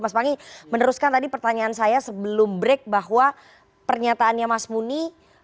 mas pangi meneruskan tadi pertanyaan saya sebelum break bahwa pernyataannya mas muni